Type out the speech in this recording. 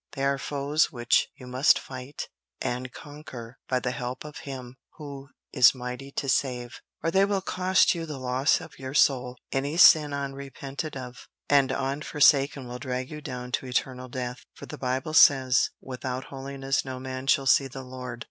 They are foes which you must fight and conquer by the help of Him who is mighty to save, or they will cost you the loss of your soul. Any sin unrepented of and unforsaken will drag you down to eternal death; for the Bible says, 'Without holiness no man shall see the Lord.'"